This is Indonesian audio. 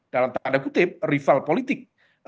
dalam tanda kutip rival politik